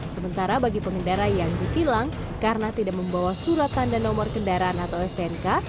sementara bagi pengendara yang ditilang karena tidak membawa surat tanda nomor kendaraan atau stnk